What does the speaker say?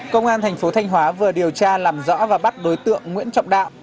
công an tp thanh hóa vừa điều tra làm rõ và bắt đối tượng nguyễn trọng đạo